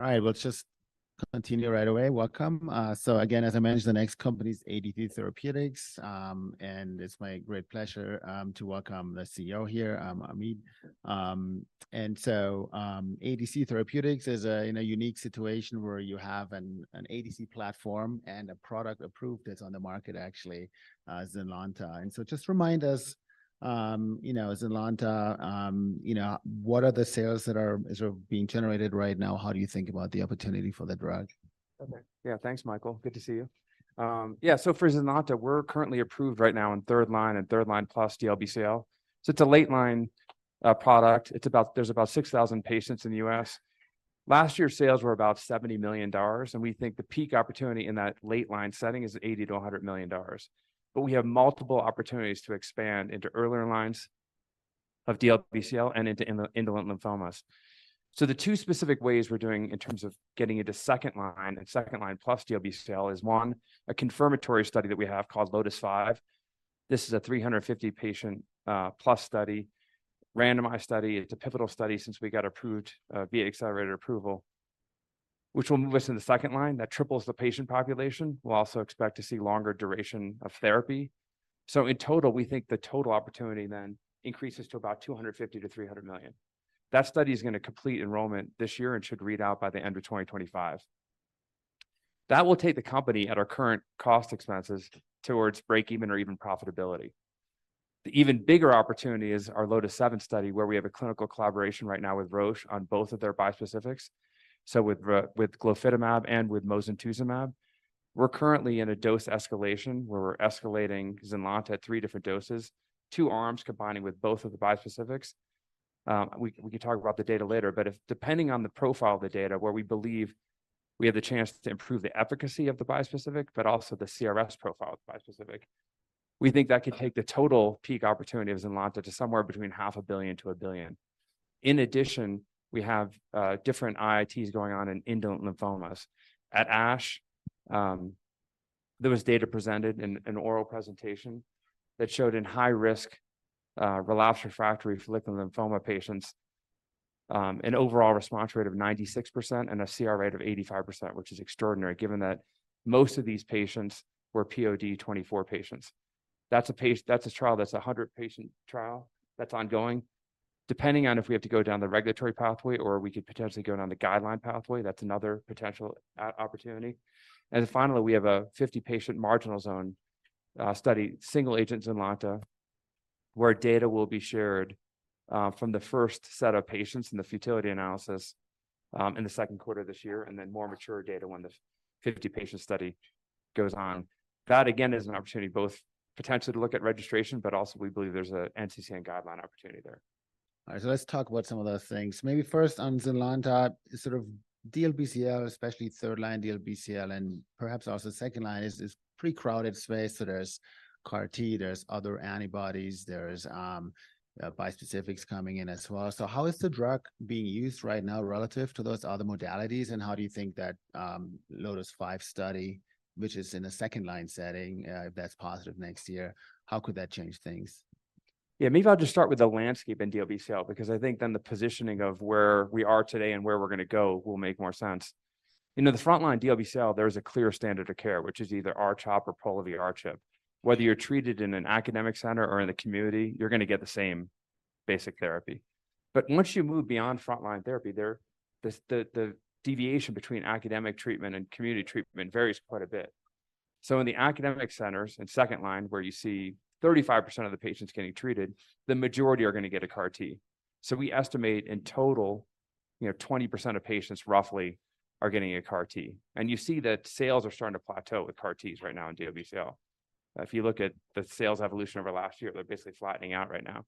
All right, let's just continue right away. Welcome. So again, as I mentioned, the next company is ADC Therapeutics. And it's my great pleasure to welcome the CEO here, Ameet. And so, ADC Therapeutics is in a unique situation where you have an ADC platform and a product approved that's on the market actually, ZYNLONTA. And so just remind us, you know, ZYNLONTA, you know, what are the sales that are sort of being generated right now? How do you think about the opportunity for the drug? Okay. Yeah, thanks, Michael. Good to see you. Yeah, so for ZYNLONTA, we're currently approved right now in third line and third line plus DLBCL. So it's a late line product. There's about 6,000 patients in the U.S.. Last year, sales were about $70 million, and we think the peak opportunity in that late line setting is $80 million-$100 million. But we have multiple opportunities to expand into earlier lines of DLBCL and into indolent lymphomas. So the two specific ways we're doing in terms of getting into second line and second-line plus DLBCL is, one, a confirmatory study that we have called LOTIS-5. This is a 350 patient plus study, randomized study. It's a pivotal study since we got approved via accelerated approval, which will move us into second line. That triples the patient population. We'll also expect to see longer duration of therapy. So in total, we think the total opportunity then increases to about $250 million-$300 million. That study is gonna complete enrollment this year and should read out by the end of 2025. That will take the company, at our current cost expenses, towards break-even or even profitability. The even bigger opportunity is our LOTIS-7 study, where we have a clinical collaboration right now with Roche on both of their bispecifics, so with Ro- with glofitamab and with mosunetuzumab. We're currently in a dose escalation, where we're escalating ZYNLONTA at three different doses, two arms combining with both of the bispecifics. We can talk about the data later, but if, depending on the profile of the data, where we believe we have the chance to improve the efficacy of the bispecific, but also the CRS profile of the bispecific, we think that could take the total peak opportunity of ZYNLONTA to somewhere between $500 million-$1 billion. In addition, we have different IITs going on in indolent lymphomas. At ASH, there was data presented in an oral presentation that showed in high-risk relapsed refractory lymphoma patients an overall response rate of 96% and a CR rate of 85%, which is extraordinary, given that most of these patients were POD24 patients. That's a trial, that's a 100-patient trial that's ongoing. Depending on if we have to go down the regulatory pathway or we could potentially go down the guideline pathway, that's another potential opportunity. And finally, we have a 50-patient marginal zone study, single agent ZYNLONTA, where data will be shared from the first set of patients in the futility analysis in the second quarter of this year, and then more mature data when the 50-patient study goes on. That, again, is an opportunity both potentially to look at registration, but also we believe there's a NCCN guideline opportunity there. All right, so let's talk about some of those things. Maybe first on ZYNLONTA, sort of DLBCL, especially third-line DLBCL and perhaps also second line, is pretty crowded space. So there's CAR T, there's other antibodies, there's bispecifics coming in as well. So how is the drug being used right now relative to those other modalities, and how do you think that LOTIS-5 study, which is in a second-line setting, if that's positive next year, how could that change things? Yeah, maybe I'll just start with the landscape in DLBCL because I think then the positioning of where we are today and where we're gonna go will make more sense. You know, the frontline DLBCL, there is a clear standard of care, which is either R-CHOP or Pola R-CHP. Whether you're treated in an academic center or in the community, you're gonna get the same basic therapy. But once you move beyond frontline therapy, there, the deviation between academic treatment and community treatment varies quite a bit. So in the academic centers, in second line, where you see 35% of the patients getting treated, the majority are gonna get a CAR T. So we estimate in total, you know, 20% of patients roughly are getting a CAR T. And you see that sales are starting to plateau with CAR Ts right now in DLBCL. If you look at the sales evolution over the last year, they're basically flattening out right now.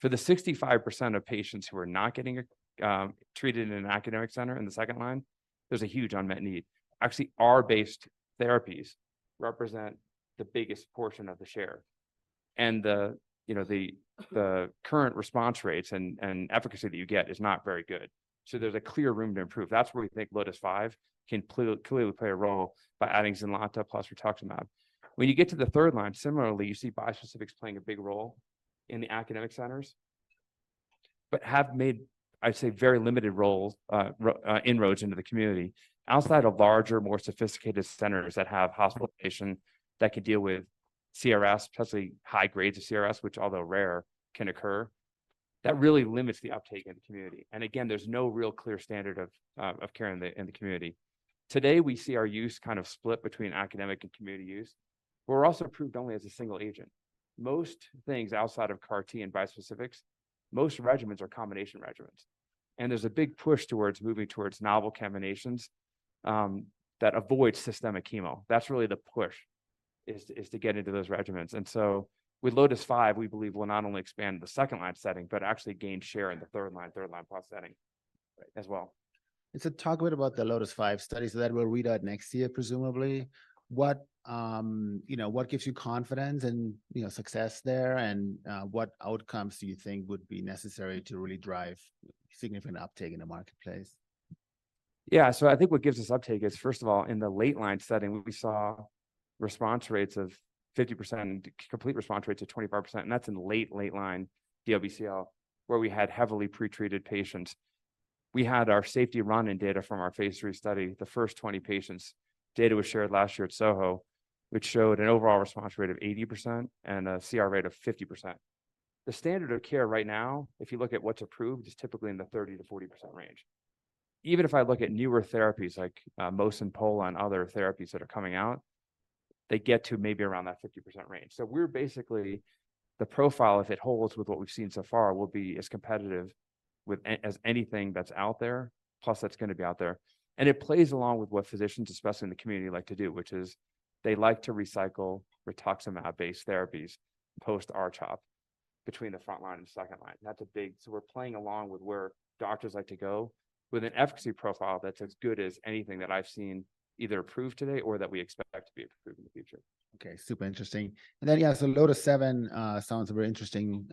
For the 65% of patients who are not getting treated in an academic center in the second line, there's a huge unmet need. Actually, R-based therapies represent the biggest portion of the share, and the, you know, the, the current response rates and efficacy that you get is not very good. So there's a clear room to improve. That's where we think LOTIS-5 can play, clearly play a role by adding ZYNLONTA plus rituximab. When you get to the third line, similarly, you see bispecifics playing a big role in the academic centers, but have made, I'd say, very limited roles, inroads into the community. Outside of larger, more sophisticated centers that have hospitalization that could deal with CRS, especially high grades of CRS, which, although rare, can occur, that really limits the uptake in the community. And again, there's no real clear standard of care in the community. Today, we see our use kind of split between academic and community use, but we're also approved only as a single agent. Most things outside of CAR T and bispecifics, most regimens are combination regimens, and there's a big push towards moving to novel combinations that avoid systemic chemo. That's really the push, is to get into those regimens. And so with LOTIS-5, we believe we'll not only expand the second-line setting, but actually gain share in the third-line, third-line plus setting as well. So talk a bit about the LOTIS-5 study. So that will read out next year, presumably. What, you know, what gives you confidence and, you know, success there, and what outcomes do you think would be necessary to really drive significant uptake in the marketplace? Yeah, so I think what gives us uptake is, first of all, in the late-line setting, we saw response rates of 50% and complete response rates of 25%, and that's in late, late line DLBCL, where we had heavily pretreated patients. We had our safety run-in data from our phase III study. The first 20 patients' data was shared last year at SOHO, which showed an overall response rate of 80% and a CR rate of 50%. The standard of care right now, if you look at what's approved, is typically in the 30%-40% range. Even if I look at newer therapies like mosunetuzumab and other therapies that are coming out, they get to maybe around that 50% range. So we're basically, the profile, if it holds with what we've seen so far, will be as competitive with as anything that's out there, plus that's gonna be out there. And it plays along with what physicians, especially in the community, like to do, which is they like to recycle rituximab-based therapies post R-CHOP between the front line and second line. That's a big. So we're playing along with where doctors like to go with an efficacy profile that's as good as anything that I've seen either approved today or that we expect to be approved in the future. Okay, super interesting. And then, yeah, so LOTIS-7 sounds a very interesting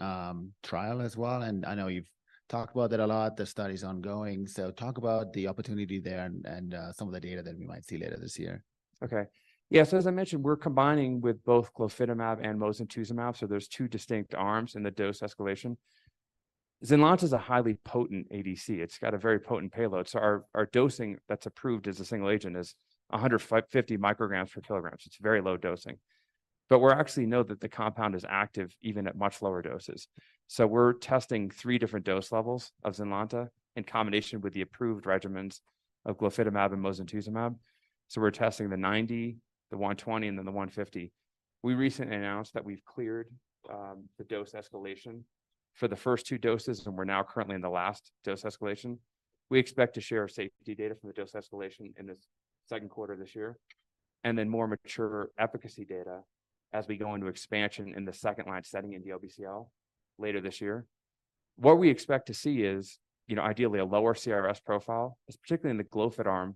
trial as well, and I know you've talked about it a lot. The study's ongoing, so talk about the opportunity there and some of the data that we might see later this year. Okay. Yeah, so as I mentioned, we're combining with both glofitamab and mosunetuzumab, so there's two distinct arms in the dose escalation. ZYNLONTA is a highly potent ADC. It's got a very potent payload, so our dosing that's approved as a single agent is 150 mcg per kilogram. It's very low dosing. But we actually know that the compound is active even at much lower doses. So we're testing three different dose levels of ZYNLONTA in combination with the approved regimens of glofitamab and mosunetuzumab. So we're testing the 90 mcg, the 120 mcg, and then the 150 mcg. We recently announced that we've cleared the dose escalation for the first two doses, and we're now currently in the last dose escalation. We expect to share safety data from the dose escalation in the second quarter of this year, and then more mature efficacy data as we go into expansion in the second-line setting in DLBCL later this year. What we expect to see is, you know, ideally, a lower CRS profile, particularly in the glofitamab arm.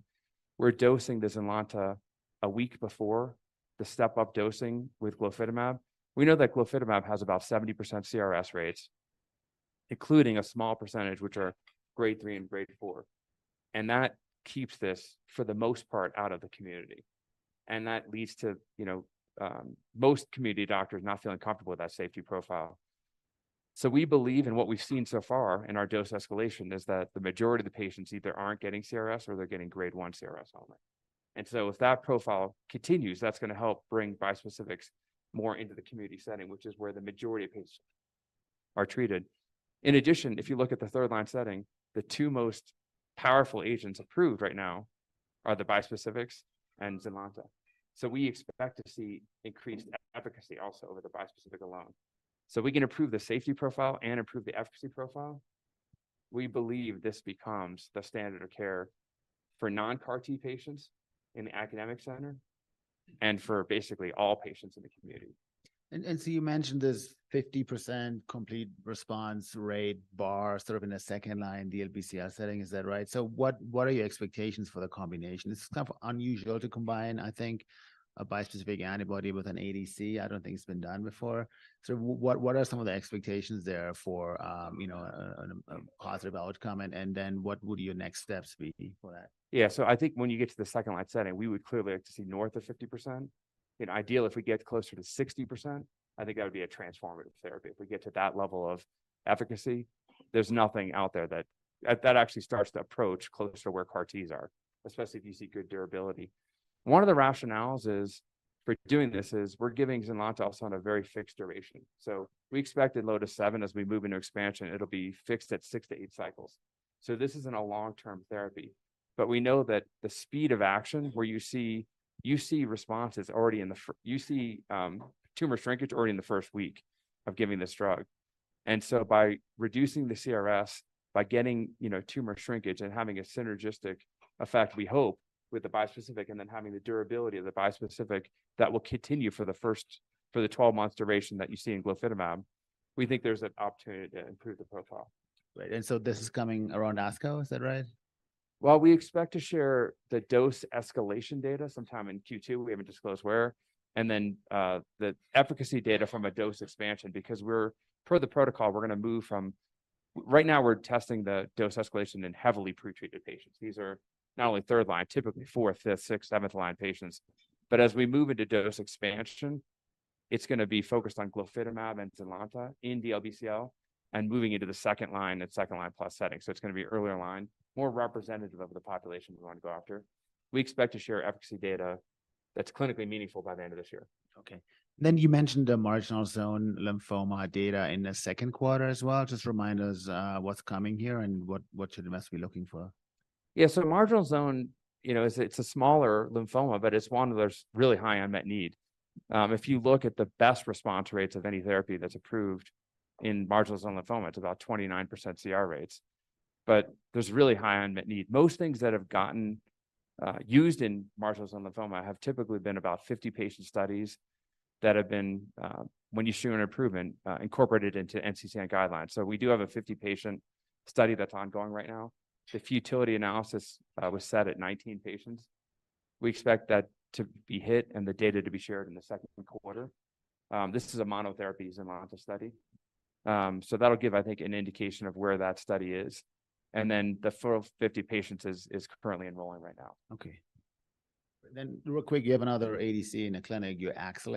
We're dosing the ZYNLONTA a week before the step-up dosing with glofitamab. We know that glofitamab has about 70% CRS rates, including a small percentage which are Grade three and Grade four, and that keeps this, for the most part, out of the community. And that leads to, you know, most community doctors not feeling comfortable with that safety profile. So we believe, and what we've seen so far in our dose escalation, is that the majority of the patients either aren't getting CRS or they're getting Grade one CRS only. So if that profile continues, that's gonna help bring bispecifics more into the community setting, which is where the majority of patients are treated. In addition, if you look at the third-line setting, the two most powerful agents approved right now are the bispecifics and ZYNLONTA. So we expect to see increased efficacy also over the bispecific alone. So we can improve the safety profile and improve the efficacy profile. We believe this becomes the standard of care for non-CAR T patients in the academic center and for basically all patients in the community. And so you mentioned this 50% complete response rate bar, sort of in a second-line DLBCL setting. Is that right? So what are your expectations for the combination? It's kind of unusual to combine, I think, a bispecific antibody with an ADC. I don't think it's been done before. So what are some of the expectations there for, you know, a positive outcome, and then what would your next steps be for that? Yeah, so I think when you get to the second-line setting, we would clearly like to see north of 50%. You know, ideally, if we get closer to 60%, I think that would be a transformative therapy. If we get to that level of efficacy, there's nothing out there that... that actually starts to approach closer to where CAR Ts are, especially if you see good durability. One of the rationales is, for doing this, is we're giving ZYNLONTA also on a very fixed duration. So we expect in LOTIS-7 as we move into expansion, it'll be fixed at six-eight cycles. So this isn't a long-term therapy, but we know that the speed of action, where you see, you see responses already in the first week of giving this drug. By reducing the CRS, by getting, you know, tumor shrinkage and having a synergistic effect, we hope, with the bispecific and then having the durability of the bispecific, that will continue for the 12 months duration that you see in glofitamab, we think there's an opportunity to improve the profile. Right. And so this is coming around ASCO, is that right? Well, we expect to share the dose escalation data sometime in Q2. We haven't disclosed where. And then, the efficacy data from a dose expansion, because we're, per the protocol, we're gonna move from... Right now, we're testing the dose escalation in heavily pretreated patients. These are not only third line, typically fourth, fifth, sixth, seventh-line patients. But as we move into dose expansion, it's gonna be focused on glofitamab and ZYNLONTA in DLBCL and moving into the second line, and second-line plus setting. So it's gonna be earlier line, more representative of the population we want to go after. We expect to share efficacy data that's clinically meaningful by the end of this year. Okay. Then you mentioned the marginal zone lymphoma data in the second quarter as well. Just remind us, what's coming here and what, what should investors be looking for? Yeah, so marginal zone, you know, it's a smaller lymphoma, but it's one that's really high unmet need. If you look at the best response rates of any therapy that's approved in marginal zone lymphoma, it's about 29% CR rates, but there's really high unmet need. Most things that have gotten used in marginal zone lymphoma have typically been about 50-patient studies that have been, when you show an improvement, incorporated into NCCN guidelines. So we do have a 50-patient study that's ongoing right now. The futility analysis was set at 19 patients. We expect that to be hit and the data to be shared in the second quarter. This is a monotherapy ZYNLONTA study, so that'll give, I think, an indication of where that study is, and then the total of 50 patients is currently enrolling right now. Okay. Then real quick, you have another ADC in the clinic, your AXL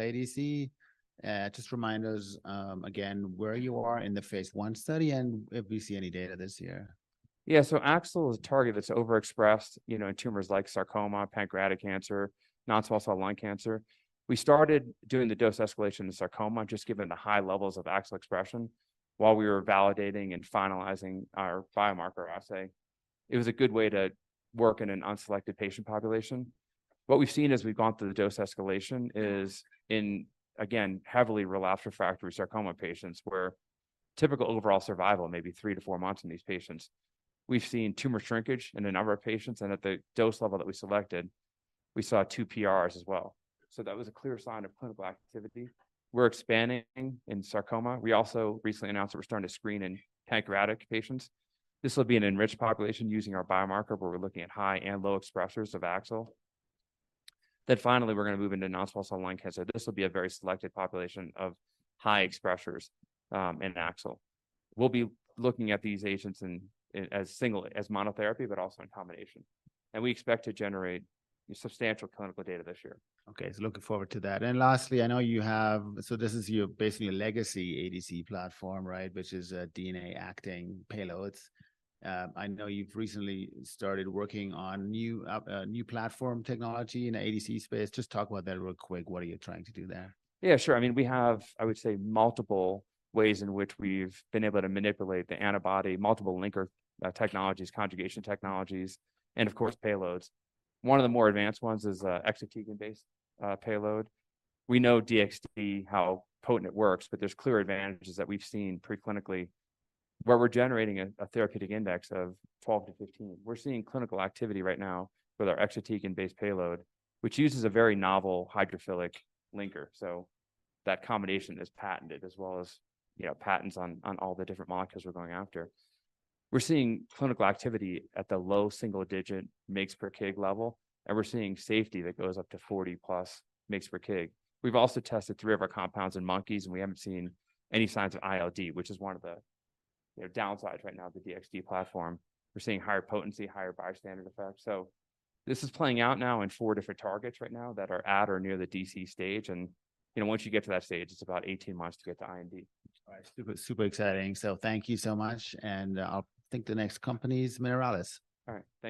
ADC. Just remind us, again, where you are in the phase I study and if we see any data this year? Yeah, so AXL is a target that's overexpressed, you know, in tumors like sarcoma, pancreatic cancer, non-small cell lung cancer. We started doing the dose escalation in sarcoma, just given the high levels of AXL expression. While we were validating and finalizing our biomarker assay, it was a good way to work in an unselected patient population. What we've seen as we've gone through the dose escalation is in, again, heavily relapsed refractory sarcoma patients, where typical overall survival may be three-four months in these patients, we've seen tumor shrinkage in a number of patients, and at the dose level that we selected, we saw two PRs as well. So that was a clear sign of clinical activity. We're expanding in sarcoma. We also recently announced that we're starting to screen in pancreatic patients. This will be an enriched population using our biomarker, where we're looking at high and low expressers of AXL. Then finally, we're gonna move into non-small cell lung cancer. This will be a very selected population of high expressers in AXL. We'll be looking at these agents as monotherapy, but also in combination, and we expect to generate substantial clinical data this year. Okay, so looking forward to that. And lastly, I know you have, so this is your basically legacy ADC platform, right? Which is DNA-acting payloads. I know you've recently started working on new, a new platform technology in the ADC space. Just talk about that real quick. What are you trying to do there? Yeah, sure. I mean, we have, I would say, multiple ways in which we've been able to manipulate the antibody, multiple linker technologies, conjugation technologies, and of course, payloads. One of the more advanced ones is a exatecan-based payload. We know DXd, how potent it works, but there's clear advantages that we've seen preclinically, where we're generating a therapeutic index of 12-15. We're seeing clinical activity right now with our exatecan-based payload, which uses a very novel hydrophilic linker, so that combination is patented as well as, you know, patents on all the different molecules we're going after. We're seeing clinical activity at the low single-digit mg per kg level, and we're seeing safety that goes up to 40 mg+ per kg. We've also tested three of our compounds in monkeys, and we haven't seen any signs of ILD, which is one of the, you know, downsides right now of the DXd platform. We're seeing higher potency, higher bystander effect. So this is playing out now in four different targets right now that are at or near the DC stage, and, you know, once you get to that stage, it's about 18 months to get to IND. All right. Super, super exciting. So thank you so much, and I'll... I think the next company is Mineralys. All right. Thank you.